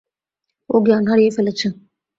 ও জ্ঞান হারিয়ে ফেলেছে।